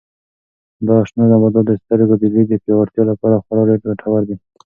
دا شنه نباتات د سترګو د لید د پیاوړتیا لپاره خورا ډېر ګټور دي.